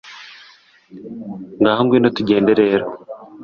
ngaho ngwino tugende rero